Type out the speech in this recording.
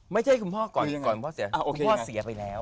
ไม่ใช่คุณพ่อก่อนพ่อเสียไปแล้ว